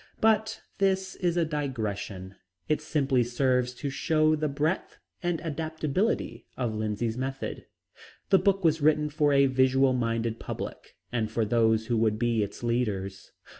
But this is a digression. It simply serves to show the breadth and adaptability of Lindsay's method. The book was written for a visual minded public and for those who would be its leaders.